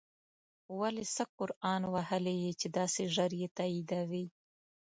ولی څه قرآن وهلی یی چی داسی ژر یی تاییدوی